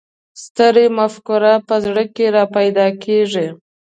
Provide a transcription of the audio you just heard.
سترې مفکورې په زړه کې را پیدا کېږي.